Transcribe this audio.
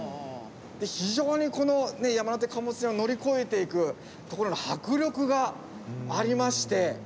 非常にこの山手貨物線を乗り越えていく所の迫力がありまして。